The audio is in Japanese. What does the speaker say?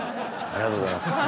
ありがとうございます。